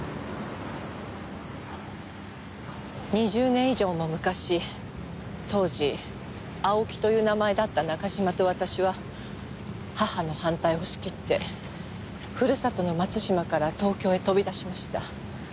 ２０年以上も昔当時青木という名前だった中島と私は母の反対を押し切ってふるさとの松島から東京へ飛び出しました。